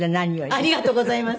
ありがとうございます。